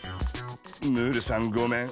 ムールさんごめん。